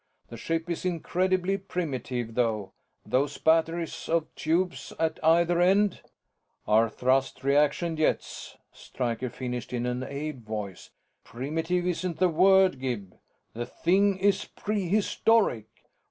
The ship is incredibly primitive, though; those batteries of tubes at either end " "Are thrust reaction jets," Stryker finished in an awed voice. "Primitive isn't the word, Gib the thing is prehistoric!